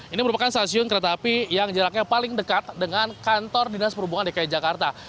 ini merupakan stasiun kereta api yang jaraknya paling dekat dengan kantor dinas perhubungan dki jakarta